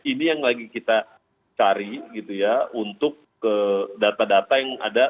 ini yang lagi kita cari gitu ya untuk data data yang ada